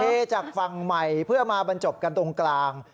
จากฝั่งใหม่เพื่อมาบรรจบกันตรงกลาง